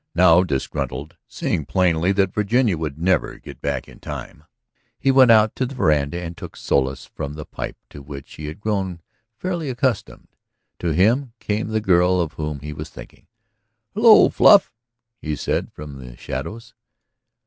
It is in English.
Now, disgruntled, seeing plainly that Virginia would never get back in time, he went out on the veranda and took solace from the pipe to which he had grown fairly accustomed. To him came the girl of whom he was thinking. "Hello, Fluff," he said from the shadows.